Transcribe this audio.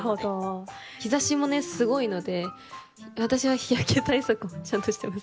日差しもねすごいので私は日焼け対策をしてます。